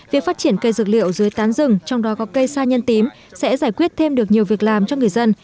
việc phát triển cây dược liệu dưới tán rừng trong đó có cây sa nhân tím sẽ giải quyết thêm được nhiều việc làm cho người dân